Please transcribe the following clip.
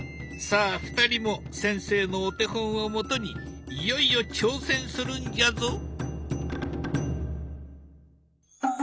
さあ二人も先生のお手本をもとにいよいよ挑戦するんじゃぞ。